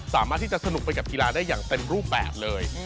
สามารถที่จะสนุกไปกับกีฬาได้อย่างเต็มรูปแบบเลย